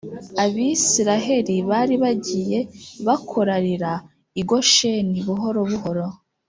abisiraheli bari bagiye bakorarira i gosheni buhoro buhoro.